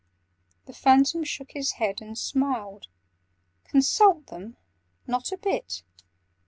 The Phantom shook his head and smiled. "Consult them? Not a bit!